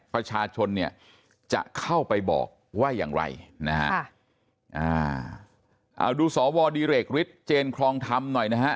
ประชาชนจะเข้าไปบอกว่าอย่างไรดูสวดีเรกวิชเจนครองธรรมหน่อยนะฮะ